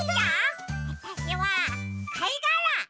わたしはかいがら！